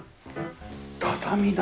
畳だ！